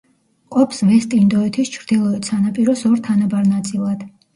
ყოფს ვესტ-ინდოეთის ჩრდილოეთ სანაპიროს ორ თანაბარ ნაწილად.